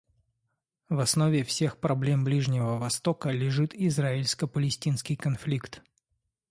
В основе всех проблем Ближнего Востока лежит израильско-палестинский конфликт.